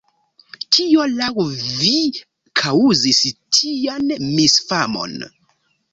Kio laŭ vi kaŭzis tian misfamon?